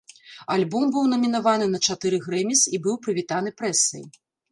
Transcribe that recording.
Альбом быў намінаваны на чатыры грэміс і быў прывітаны прэсай.